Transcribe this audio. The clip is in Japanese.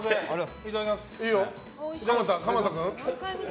いただきます。